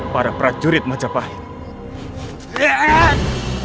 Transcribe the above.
para prajurit majapahit